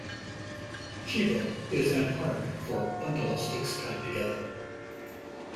"Chibo" is Amharic for "bundle of sticks tied together.